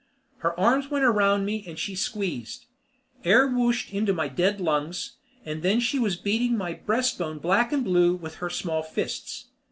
Her arms went around me and she squeezed. Air whooshed into my dead lungs, and then she was beating my breastbone black and blue with her small fists.